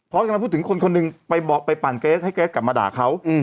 กำลังพูดถึงคนคนหนึ่งไปปั่นเกรสให้เกรสกลับมาด่าเขา